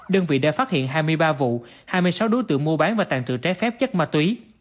đơn vị đã phát hiện hai mươi ba vụ hai mươi sáu đối tượng mua bán và tàn trữ trái phép chất ma túy